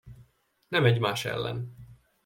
Nem egymás ellen.